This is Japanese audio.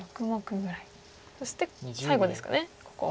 そして最後ですかここは。